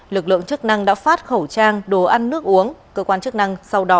lực lượng chức năng đã phát khẩu trang đồ ăn nước uống